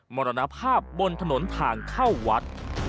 มรณภาพบนถนนทางเข้าวัด